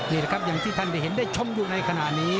นี่แหละครับอย่างที่ท่านได้เห็นได้ชมอยู่ในขณะนี้